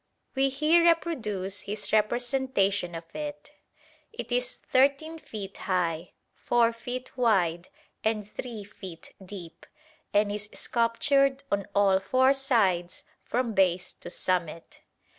We here reproduce his representation of it. It is 13 feet high, 4 feet wide, and 3 feet deep, and is sculptured on all four sides from base to summit.